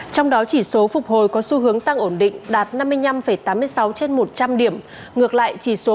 trong đó chỉ số phục hồi có xu hướng tăng ổn định đạt năm mươi năm tám mươi sáu trên một trăm linh điểm ngược lại chỉ số